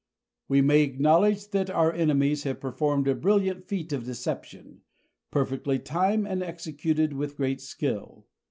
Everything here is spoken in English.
We may acknowledge that our enemies have performed a brilliant feat of deception, perfectly timed and executed with great skill.